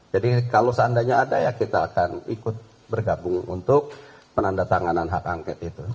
jadi kalau seandainya ada ya kita akan ikut bergabung untuk penanda tanganan hak angket itu